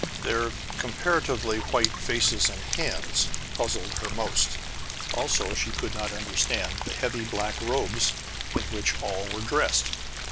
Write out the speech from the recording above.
Their comparatively white faces and hands puzzled her most. Also, she could not understand the heavy black robes in which all were dressed.